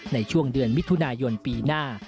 ในช่วงเดือนมิถุนายนปีหน้า